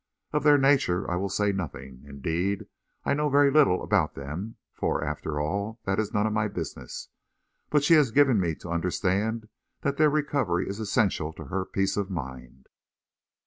Of their nature, I will say nothing indeed, I know very little about them, for, after all, that is none of my business. But she has given me to understand that their recovery is essential to her peace of mind."